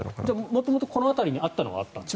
元々この辺りにあったのはあったんですか？